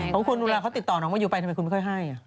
ของเราเขาติดต่อน้องมายูไปทำไมคุณไม่ค่อยให้